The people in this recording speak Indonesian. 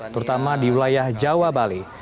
terutama di wilayah jawa bali